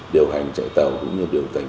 điều hành chạy tàu cũng như điều hành